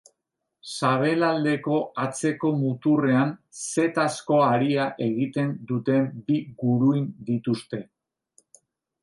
Sabelaldeko atzeko muturrean zetazko haria egiten duten bi guruin dituzte.